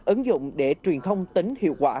ứng dụng để truyền thông tính hiệu quả